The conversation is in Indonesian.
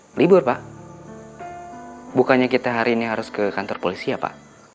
hai libur pak bukannya kita hari ini harus ke kantor polisi apa